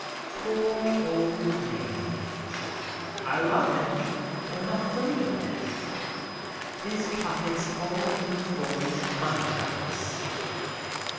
Poor old Nath! I love him, but am afraid of him. His pockets always bulge contracts.